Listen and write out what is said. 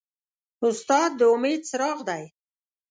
استاد د امید څراغ دی.